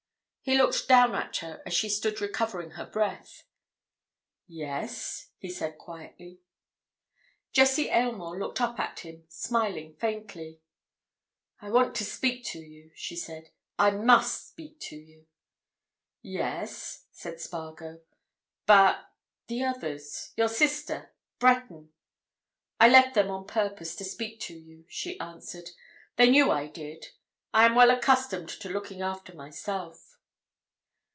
He looked down at her as she stood recovering her breath. "Yes?" he said quietly. Jessie Aylmore looked up at him, smiling faintly. "I want to speak to you," she said. "I must speak to you." "Yes," said Spargo. "But—the others? Your sister?—Breton?" "I left them on purpose to speak to you," she answered. "They knew I did. I am well accustomed to looking after myself."